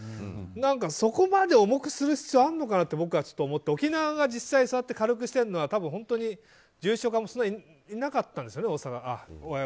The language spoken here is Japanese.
そこまで重くする必要があるのかなって僕は思って沖縄が実際軽くしてるのは多分、本当に重症化もそんなにいなかったんですよね。